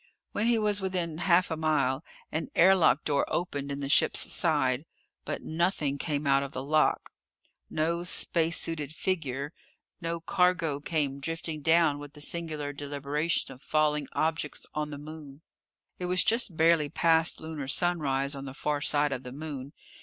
When he was within half a mile, an air lock door opened in the ship's side. But nothing came out of the lock. No space suited figure. No cargo came drifting down with the singular deliberation of falling objects on the Moon. It was just barely past lunar sunrise on the far side of the Moon.